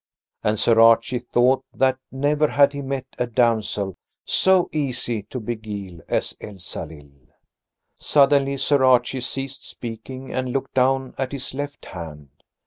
And Sir Archie thought that never had he met a damsel so easy to beguile as Elsalill. Suddenly Sir Archie ceased speaking and looked down at his left hand.